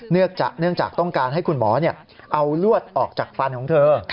เนื่องจากต้องการให้คุณหมอเอาลวดออกจากฟันของเธอ